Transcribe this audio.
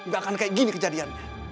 gak akan kayak gini kejadiannya